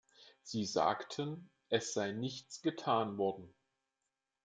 Sie sagten, es sei nichts getan worden.